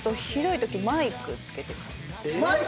マイク！？